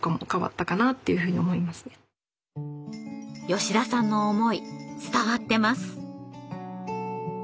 吉田さんの思い伝わってます。